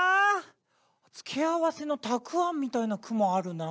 付け合わせのたくあんみたいな雲あるな。